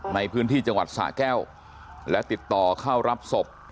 ในพื้นที่จังหวัดสะแก้วและติดต่อเข้ารับศพ